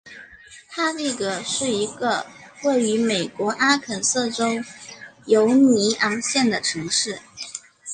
哈蒂格是一个位于美国阿肯色州犹尼昂县的城市。